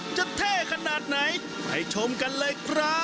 เท่ขนาดไหนไปชมกันเลยครับ